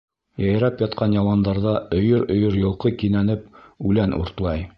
Йәйрәп ятҡан яландарҙа өйөр-өйөр йылҡы кинәнеп үлән уртлай.